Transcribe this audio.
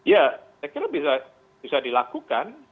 ya saya kira bisa dilakukan